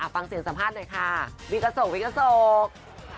ฟังเสียงสัมภาษณ์หน่อยค่ะวิกษก